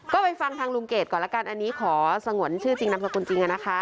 ก็ไปฟังทางลุงเกดก่อนละกันอันนี้ขอสงวนชื่อจริงนามสกุลจริงนะคะ